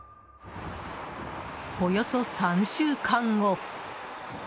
およそ３週間後。